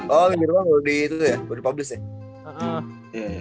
oh minggu depan udah di publish ya